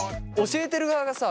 教えてる側がさ